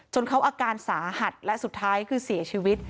เขาอาการสาหัสและสุดท้ายคือเสียชีวิต